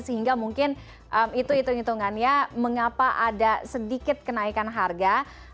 sehingga mungkin itu hitung hitungannya mengapa ada sedikit kenaikan harga